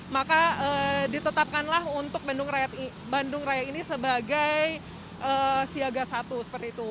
maka ditetapkanlah untuk bandung raya ini sebagai siaga satu seperti itu